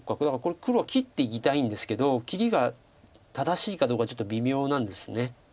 だからこれ黒は切っていきたいんですけど切りが正しいかどうかちょっと微妙なんです。